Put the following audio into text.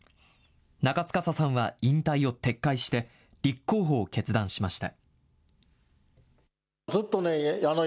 中司さんは引退を撤回して、立候補を決断しました。